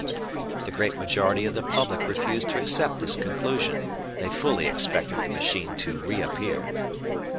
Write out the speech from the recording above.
The great majority of the public refused to accept this conclusion. They fully expected the machine to reappear.